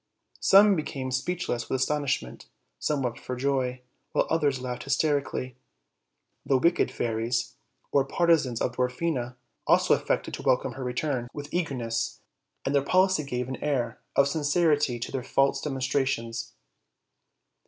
Some be came speechless with astonishment, some wept for joy, while others laughed hysterically. The wicked fairies, of partisans of Dwarfina, also affected tro welcome her return 56 OLD, OLD FAIRY TALES. with eagerness, and their policy gave an air of sincerity to their false demonstrations.